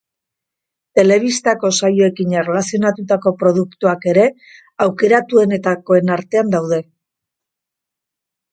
Telebistako saioekin erlazionatutako produktuak ere aukeratuenetakoen artean daude.